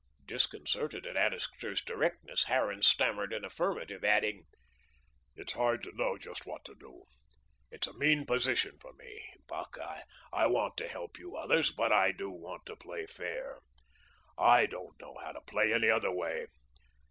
Disconcerted at Annixter's directness, Harran stammered an affirmative, adding: "It's hard to know just what to do. It's a mean position for me, Buck. I want to help you others, but I do want to play fair. I don't know how to play any other way.